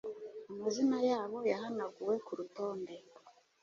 amazina yabo yahanaguwe kurutonde